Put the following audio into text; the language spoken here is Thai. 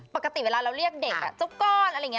ปกติเวลาเราเรียกเด็กเจ้าก้อนอะไรอย่างนี้